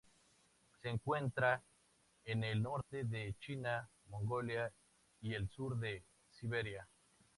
Se encuentra en el norte de China, Mongolia, y el sur de Siberia.